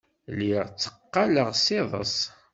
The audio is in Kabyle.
Lliɣ tteqqaleɣ s iḍes.